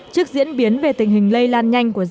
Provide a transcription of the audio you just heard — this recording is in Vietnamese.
trước diễn biến về tình hình lây lan nhanh